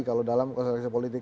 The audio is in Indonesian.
kalau dalam konseraksi politik